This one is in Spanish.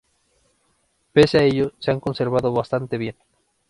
Pese a ello, se han conservado bastante bien.